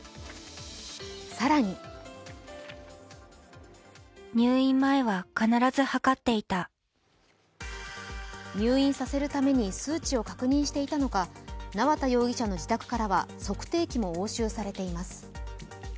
更に入院させるために数値を確認していたのか縄田容疑者の自宅からは測定器も押収されています。